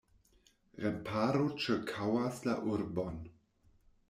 Remparo ĉirkaŭas la urbon.